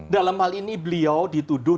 dalam hal ini beliau dituduh